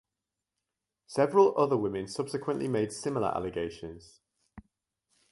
Several other women subsequently made similar allegations.